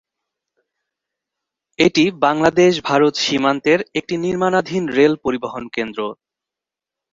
এটি বাংলাদেশ-ভারত সীমান্তের একটি নির্মাণাধীন রেল পরিবহন কেন্দ্র।